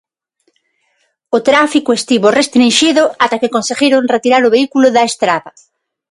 O tráfico estivo restrinxido ata que conseguiron retirar o vehículo da estrada.